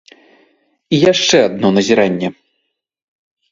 І яшчэ адно назіранне.